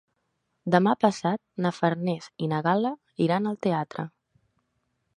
Demà passat na Farners i na Gal·la iran al teatre.